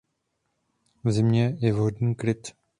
V zimě je vhodný kryt.